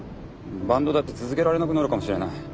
バンドだって続けられなくなるかもしれない。